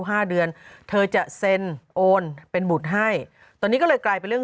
ห้าเดือนเธอจะเซ็นโอนเป็นบุตรให้ตอนนี้ก็เลยกลายเป็นเรื่อง